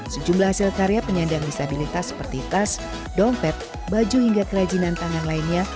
sejumlah hasil karya penyandang disabilitas seperti tas dompet baju hingga kerajinan tangan lainnya